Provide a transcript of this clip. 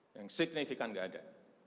yang signifikan enggak ada